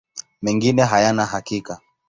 Mengine hayana hakika.